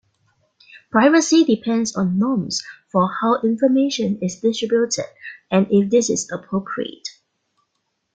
Privacy depends on norms for how information is distributed, and if this is appropriate.